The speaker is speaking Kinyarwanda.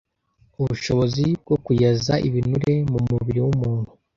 ubushobozi bwo kuyaza ibinure mu mubiri w’umuntu.